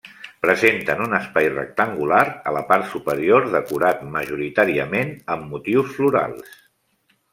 Presenten un espai rectangular a la part superior decorat, majoritàriament, amb motius florals.